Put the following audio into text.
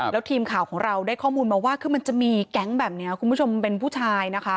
แล้วทีมข่าวของเราได้ข้อมูลมาว่าคือมันจะมีแก๊งแบบนี้คุณผู้ชมเป็นผู้ชายนะคะ